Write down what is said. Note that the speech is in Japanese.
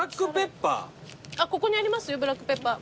ブラックペッパー？